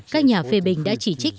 các nhà phê bình đã chỉ trích